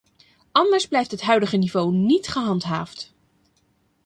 Anders blijft het huidige niveau niet gehandhaafd.